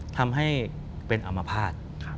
ทำให้เป็นอมภาษณ์